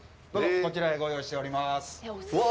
こちらにご用意しております。